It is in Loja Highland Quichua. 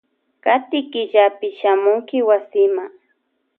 Kati killapi shamunki wasima.